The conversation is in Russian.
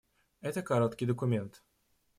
Это короткий документ.